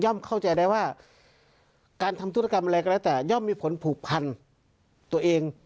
เข้าใจได้ว่าการทำธุรกรรมอะไรก็แล้วแต่ย่อมมีผลผูกพันตัวเอง